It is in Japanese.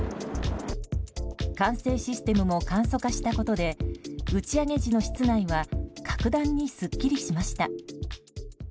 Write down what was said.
管制システムも簡素化したことで打ち上げ時の室内は格段にすっきりしました。